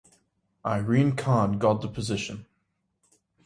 Irene Khan got the position.